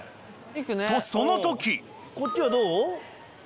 とその時こっちはどう？